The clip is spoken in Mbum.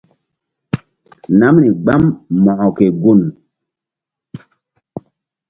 Namri gbam Mo̧ko ke gun.